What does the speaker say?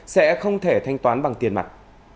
sẽ không thể thanh toán bằng tiền mặt